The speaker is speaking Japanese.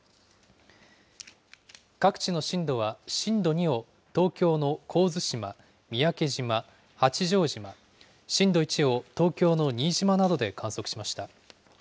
各地の震度は、震度２を東京の神津島、三宅島、八丈島、震度１を東京の新島などで観測しました。